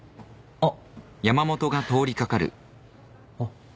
あっ。